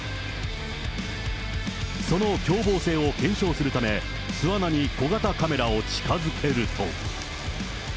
その凶暴性を検証するため、巣穴に小型カメラを近づけると。